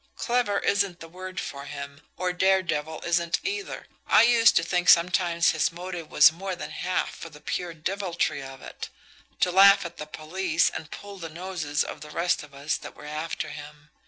Clever isn't the word for him, or dare devil isn't either. I used to think sometimes his motive was more than half for the pure deviltry of it, to laugh at the police and pull the noses of the rest of us that were after him.